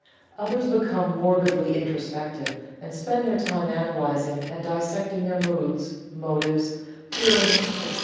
Others become morbidly introspective, and spend their time analyzing and dissecting their moods, motives, feelings, etc.